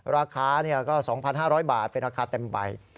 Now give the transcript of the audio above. ราคาก็๒๕๐๐บาทเป็นราคาเต็มใบ